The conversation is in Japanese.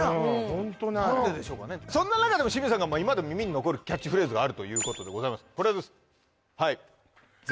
ホントないそんな中でも清水さんが今でも耳に残るキャッチフレーズがあるということでございます